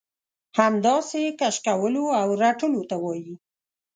همداسې کش کولو او رټلو ته وايي.